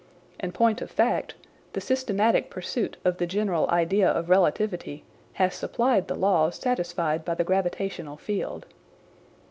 In point of fact, the systematic pursuit of the general idea of relativity has supplied the laws satisfied by the gravitational field.